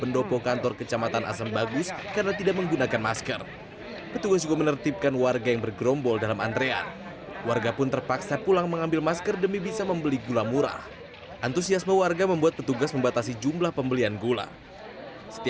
dan tidak boleh dijual lagi